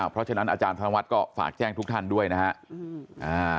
เพราะฉะนั้นอาจารย์ธนวัฒน์ก็ฝากแจ้งทุกท่านด้วยนะครับ